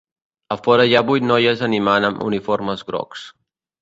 A fora hi ha vuit noies animant amb uniformes grocs.